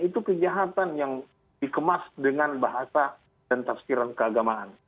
itu kejahatan yang dikemas dengan bahasa dan tafsiran keagamaan